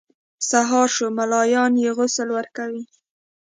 سهار شو ملایان یې غسل ورکوي.